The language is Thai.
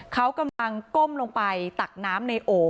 เขากำลังก้มลงไปตักน้ำในโอ่ง